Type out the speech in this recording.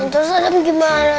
terus adam bagaimana